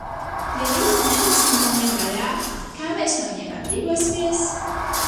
Ja rīt netiksim no viņiem vaļā, kā mēs no viņiem atbrīvosimies?